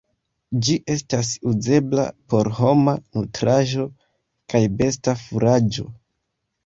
Ĝi estas uzebla por homa nutraĵo kaj besta furaĝo.